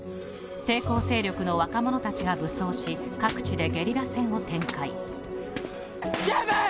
抵抗勢力の若者たちが武装し各地でゲリラ戦を展開。